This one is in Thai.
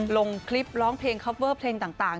ลงคลิปร้องเพลงคอปเวอร์เพลงต่าง